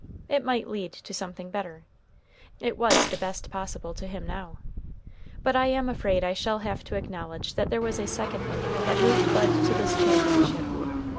It might lead to something better. It was the best possible to him, now. But I am afraid I shall have to acknowledge that there was a second motive that moved Bud to this championship.